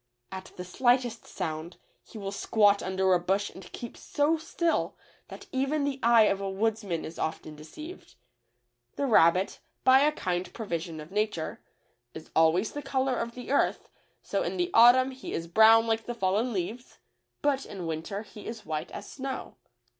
At the slightest sound he will squat under a bush and keep so still that even the eye of a woodsman is often deceived. The rabbit, by a kind pro vision of nature, is always the color of the earth, so in the autumn he is brown like the fallen leaves, but in winter he is white as snow.